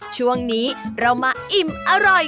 ช่วงนี้เรามาอิ่มอร่อย